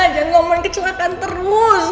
jangan ngomong kecelakaan terus